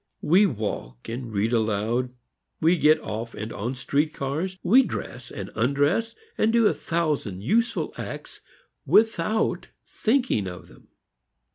We walk and read aloud, we get off and on street cars, we dress and undress, and do a thousand useful acts without thinking of them.